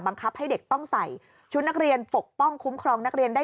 ให้เด็กต้องใส่ชุดนักเรียนปกป้องคุ้มครองนักเรียนได้